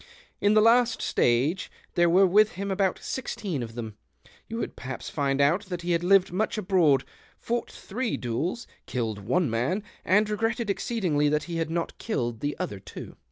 In the last stao;e — there were with him about sixteen of them — you would perhaps find out that he had lived much abroad, fought three duels, killed one man, and regretted exceedingly that he had not killed the other two.